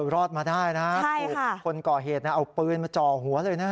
รอดมาได้นะถูกคนก่อเหตุเอาปืนมาจ่อหัวเลยนะ